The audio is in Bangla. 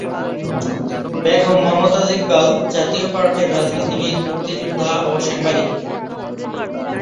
বেগম মমতাজ ইকবাল জাতীয় পার্টির রাজনীতিবিদ, মুক্তিযোদ্ধা ও সাংবাদিক।